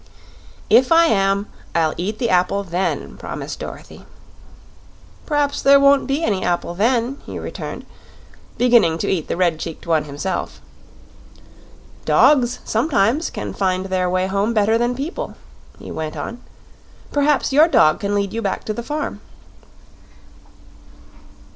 "If I am, I'll eat the apple then," promised Dorothy. "Perhaps there won't be any apple then," he returned, beginning to eat the red cheeked one himself. "Dogs sometimes can find their way home better than people," he went on; "perhaps your dog can lead you back to the farm."